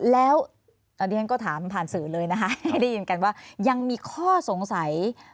แล้วตอนนี้ฉันก็ถามผ่านสื่อเลยนะคะให้ได้ยินกันว่ายังมีข้อสงสัย